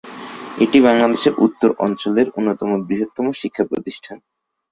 এটি বাংলাদেশের উত্তর অঞ্চলের অন্যতম বৃহত্তম শিক্ষা প্রতিষ্ঠান।